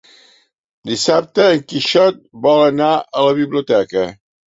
Dissabte en Quixot vol anar a la biblioteca.